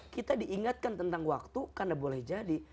kita diingatkan tentang waktu karena boleh jadi